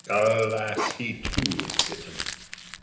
Alas, he too is bitten!